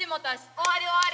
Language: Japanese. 終わり終わり。